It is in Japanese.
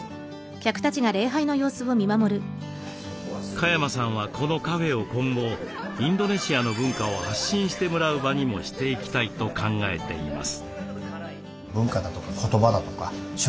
嘉山さんはこのカフェを今後インドネシアの文化を発信してもらう場にもしていきたいと考えています。